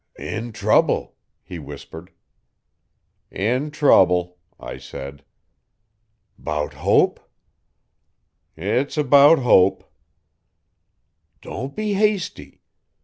'In trouble,' he whispered. 'In trouble,' I said. ''Bout Hope?' 'It's about Hope.' 'Don't be hasty.